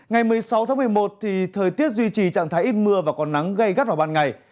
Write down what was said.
ngày một mươi sáu tháng một mươi một thì thời tiết duy trì trạng thái ít mưa và còn nắng gây gắt vào ban ngày